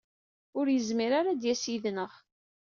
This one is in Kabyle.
Ur yezmir ara ad d-yas yid-neɣ.